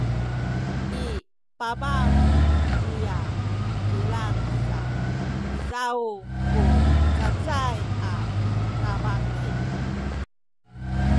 i pabaw niya kilang sa izaw ku cacay a kabaki